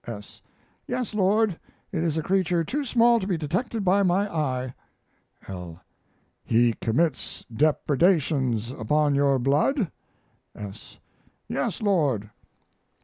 S. Yes, Lord. It is a creature too small to be detected by my eye. L. He commits depredations upon your blood? S. Yes, Lord.